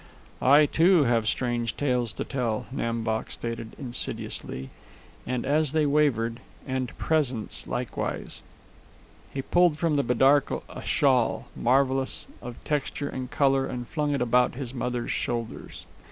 "I, too, have strange tales to tell," Nam Bok stated insidiously. And, as they wavered, "And presents likewise." He pulled from the bidarka a shawl, marvelous of texture and color, and flung it about his mother's shoulders.